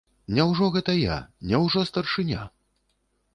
Няўжо гэта я, няўжо старшыня?